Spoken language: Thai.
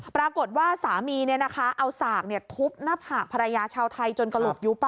ปรากฏว่าสามีเอาสากทุบหน้าผากภรรยาชาวไทยจนกระโหลกยุบ